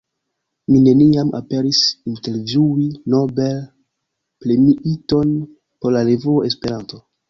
Mi neniam esperis intervjui Nobel-premiiton por la revuo Esperanto!